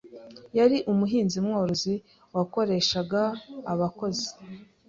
Yari umuhinzi-mworozi wakoreshaga abakozi